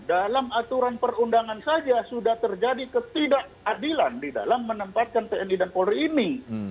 dalam aturan perundangan saja sudah terjadi ketidakadilan di dalam menempatkan tni dan polri ini